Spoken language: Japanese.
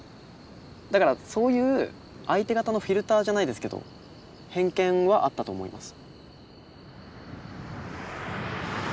だからそういう相手方のフィルターじゃないですけど偏見はあったと思います。